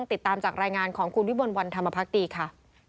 ติดตามจากรายงานของคุณวิมลวันธรรมพักดีค่ะ